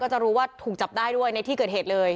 จะรู้ว่าถูกจับได้ด้วยในที่เกิดเหตุเลย